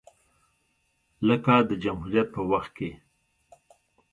لکه د جمهوریت په وخت کې